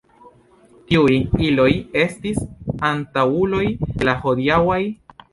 Tiuj iloj estis antaŭuloj de la hodiaŭaj.